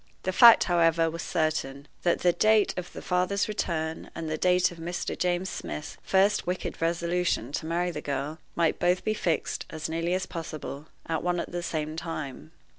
The fact, however, was certain that the date of the father's return and the date of Mr. James Smith's first wicked resolution to marry the girl might both be fixed, as nearly as possible, at one and the same time.